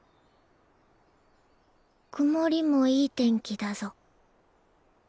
曇りもいい天気だぞ。